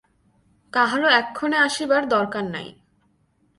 কাহারও এক্ষণে আসিবার দরকার নাই।